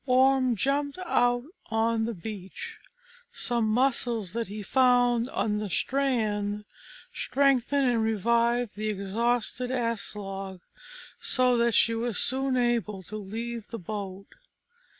Orm jumped out on the beach; some mussels that he found on the strand strengthened and revived the exhausted Aslog, so that she was soon able to leave the boat.